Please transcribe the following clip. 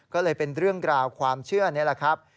ก็เลยเป็นเรื่องกล่าวความเชื่อนี่แหละครับ